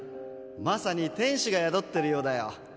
まさに天使が宿ってるようだよ。